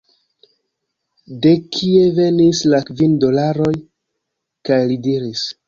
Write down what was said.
De kie venis la kvin dolaroj? kaj li diris: